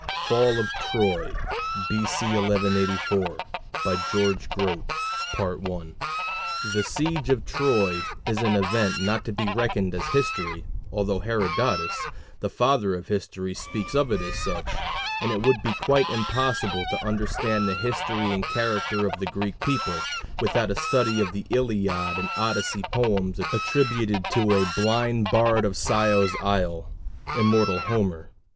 FALL OF TROY B.C. 1184 GEORGE GROTE The siege of Troy is an event not to be reckoned as history, although Herodotus, the "Father of History," speaks of it as such, and it would be quite impossible to understand the history and character of the Greek people without a study of the Iliad and Odyssey poems attributed to "a blind bard of Scio's isle" immortal Homer.